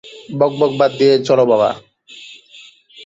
বকবক বাদ দিয়ে চলো বাবা।